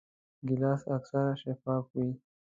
ګیلاس اکثره شفاف وي.